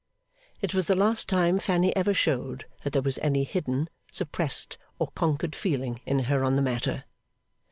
It was the last time Fanny ever showed that there was any hidden, suppressed, or conquered feeling in her on the matter.